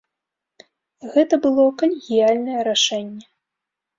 Гэта было калегіяльнае рашэнне.